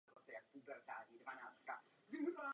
Centrum obce je v okolí přístavu a městské pláže.